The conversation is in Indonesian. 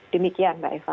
demikian mbak eva